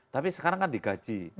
tapi sekarang kan digaji